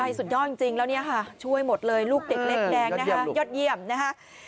สุดยอดจริงแล้วเนี่ยค่ะช่วยหมดเลยลูกเด็กเล็กแดงนะคะยอดเยี่ยมนะคะ